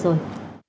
cảm ơn ông